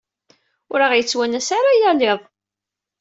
Ur aɣ-yettwanas ara yal iḍ.